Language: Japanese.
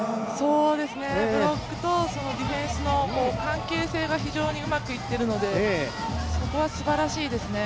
ブロックとディフェンスの関係性が非常にうまくいっているので、そこはすばらしいですね。